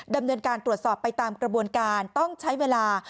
ดำเนินการตรวจสอบไปตามกระบวนการต้องใช้เวลา